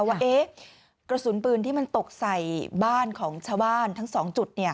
ว่ากระสุนปืนที่มันตกใส่บ้านของชาวบ้านทั้ง๒จุด